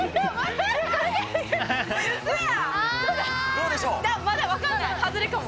どうでしょう。